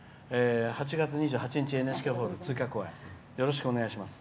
８月２８日、ＮＨＫホール追加公演、よろしくお願いします。